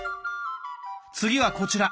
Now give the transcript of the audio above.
次はこちら！